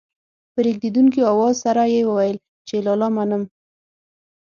په رېږېدونکي اواز سره يې وويل چې لالا منم.